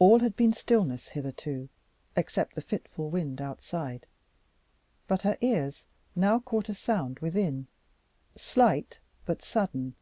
All had been stillness hitherto, except the fitful wind outside. But her ears now caught a sound within slight, but sudden.